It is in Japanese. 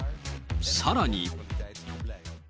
さらに。